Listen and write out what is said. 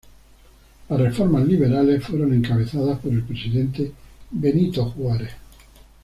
Las reformas liberales fueron encabezadas por el presidente Benito Juárez.